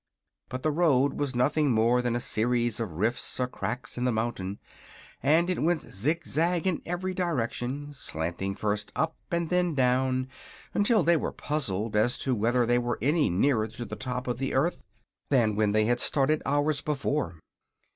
But the road was nothing more than a series of rifts or cracks in the mountain, and it went zig zag in every direction, slanting first up and then down until they were puzzled as to whether they were any nearer to the top of the earth than when they had started, hours before.